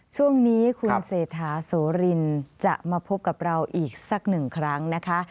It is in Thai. ช่วงนี้คุณเศรษฐาโสรินจะมาพบกับเราอีกสักหนึ่งครั้งนะคะ